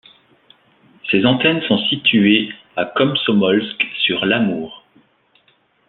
Ses antennes sont situées à Komsomolsk-sur-l'Amour.